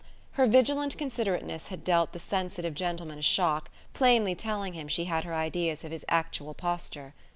Her vigilant considerateness had dealt the sensitive gentleman a shock, plainly telling him she had her ideas of his actual posture.